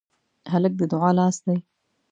هلک د دعا لاس دی.